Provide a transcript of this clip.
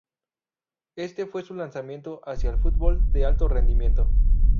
Este fue su lanzamiento hacia el fútbol de alto rendimiento.